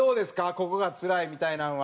「ここがつらい」みたいなのは。